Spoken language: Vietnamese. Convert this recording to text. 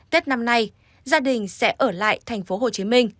tết năm nay gia đình sẽ ở lại tp hcm